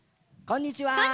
こんにちは！